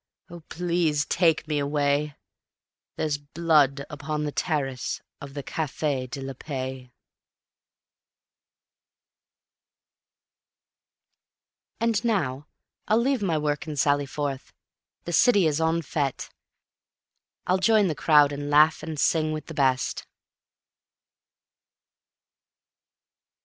... Oh, please take me away ... There's BLOOD upon the terrace of the Cafe de la Paix. ... And now I'll leave my work and sally forth. The city is en fete. I'll join the crowd and laugh and sing with the best.